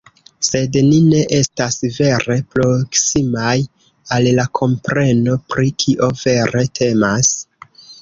Sed ni ne estas vere proksimaj al la kompreno pri kio vere temas”.